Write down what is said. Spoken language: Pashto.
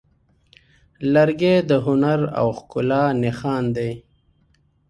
لرګی د هنر او ښکلا نښان دی.